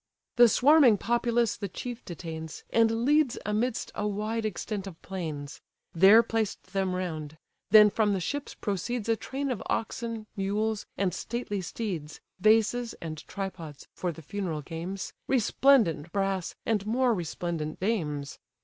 The swarming populace the chief detains, And leads amidst a wide extent of plains; There placed them round: then from the ships proceeds A train of oxen, mules, and stately steeds, Vases and tripods (for the funeral games), Resplendent brass, and more resplendent dames.